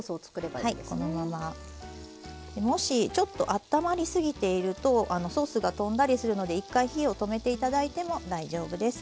でもしちょっとあったまりすぎているとソースがとんだりするので１回火を止めて頂いても大丈夫です。